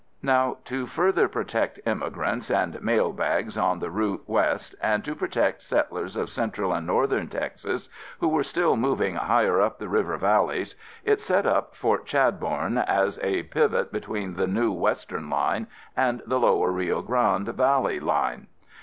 Now to further protect immigrants and mail bags on the route west and to protect settlers of central and northern Texas who were still moving higher up the river valleys, it set up Fort Chadbourne as a pivot between the new western line and the new lower Rio Grande Valley line.